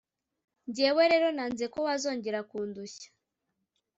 Ngewe rero, nanze ko wazongera kundushya